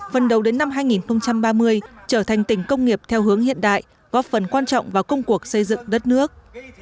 phần đầu đến năm hai nghìn ba mươi trở thành tỉnh công nghiệp theo hướng hiện đại góp phần quan trọng vào công cuộc xây dựng đất nước